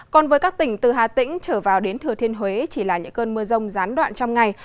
còn với các tỉnh từ hà tĩnh trở vào đến thừa thiên huế chỉ là những cơn mưa rông gián đoạn trong ngày